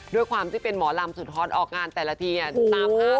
ด้วยความที่เป็นหมอลำสุดฮอตออกงานแต่ละทีตามภาพ